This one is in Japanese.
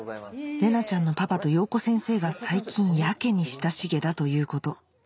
玲奈ちゃんのパパと洋子先生が最近やけに親しげだということ